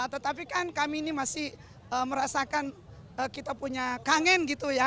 tetapi kan kami ini masih merasakan kita punya kangen gitu ya